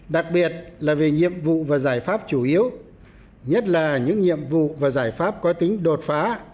đặc biệt là về nhiệm vụ và giải pháp chủ yếu nhất là những nhiệm vụ và giải pháp có tính đột phá